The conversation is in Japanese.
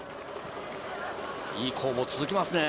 いい攻防が続きますね。